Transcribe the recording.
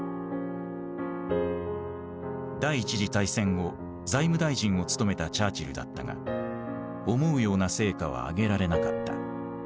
第一次大戦後財務大臣を務めたチャーチルだったが思うような成果は上げられなかった。